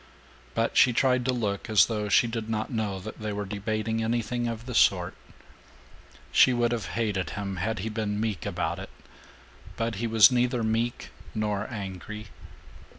But she tried to look as though she did not know that they were debating anything of the sort. She would have hated him had he been meek about it. But he was neither meek nor angry.